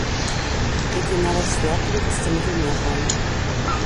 Regionaler Schwerpunkt ist der Mittelmeerraum.